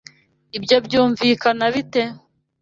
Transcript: Ibyo byumvikana bite?